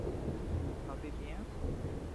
¿no vivían?